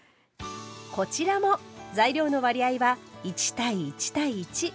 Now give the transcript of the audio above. こちらも材料の割合は１：１：１。